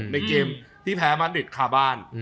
ในเกมที่แพ้มาริดคาบ้าน